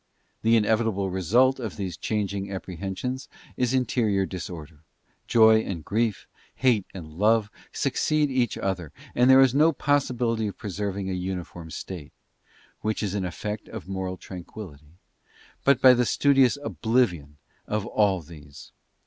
The inevitable result of these changing apprehen sions is interior disorder: joy and grief, hate and love suc~ ceed each other, and there is no possibility of preserving a uniform state—which is an effect of moral tranquillity—but by the studious oblivion of all these.